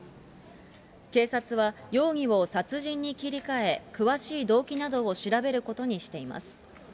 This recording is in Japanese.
警察は容疑を殺人に切り替え、詳しい動機などを調べることにしています。